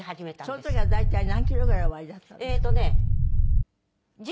その時は大体何キロぐらいおありだったんですか？